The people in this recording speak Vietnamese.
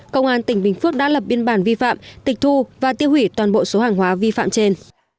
công an tỉnh bình phước đã lập biên bản vi phạm tịch thu và tiêu hủy toàn bộ số hàng hóa vi phạm trên